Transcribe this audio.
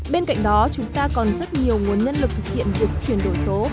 bên cạnh đó chúng ta còn rất nhiều nguồn nhân lực thực hiện việc chuyển đổi số